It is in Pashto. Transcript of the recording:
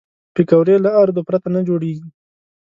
پکورې له آردو پرته نه جوړېږي